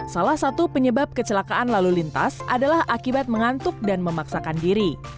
salah satu penyebab kecelakaan lalu lintas adalah akibat mengantuk dan memaksakan diri